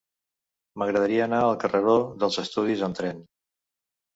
M'agradaria anar al carreró dels Estudis amb tren.